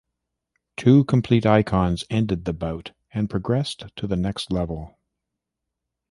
Two complete icons ended the bout and progressed to the next level.